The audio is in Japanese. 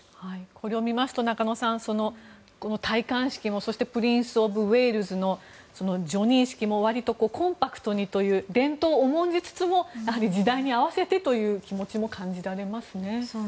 これを見ますと中野さん戴冠式もプリンス・オブ・ウェールズの叙任式も割とコンパクトにという伝統を重んじつつも時代に合わせてという気持ちも感じられますね。